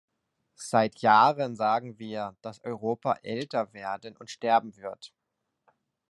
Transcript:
Seit Jahren sagen wir, dass Europa älter werden und sterben wird.